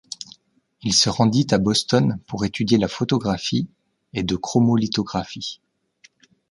Il se rendit à Boston pour étudier la photographie et de chromolithographie.